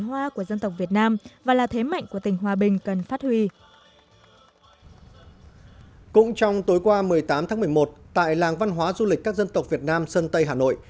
hôm tối qua một mươi tám tháng một mươi một tại làng văn hóa du lịch các dân tộc việt nam sân tây hà nội